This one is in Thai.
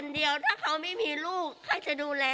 เธอฝ่านพ่อการเธอน่ะ